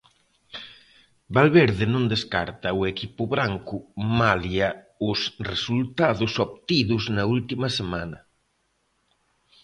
Valverde non descarta o equipo branco malia os resultados obtidos na última semana.